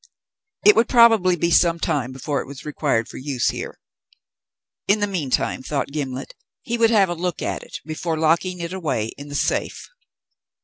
It would probably be some time before it was required for use here. In the meantime, thought Gimblet, he would have a look at it before locking it away in the safe.